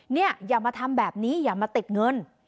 อย่ามาทำแบบนี้อย่ามาติดเงิน